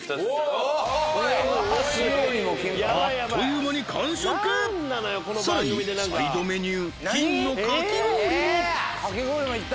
おいあっという間に完食さらにサイドメニュー金のかき氷もかき氷もいった？